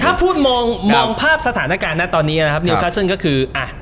ถ้าพูดมองมองภาพสถานการณ์นะตอนนี้นะครับนิวคัสเซิลก็คืออ่ะ